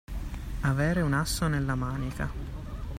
Avere un asso nella manica.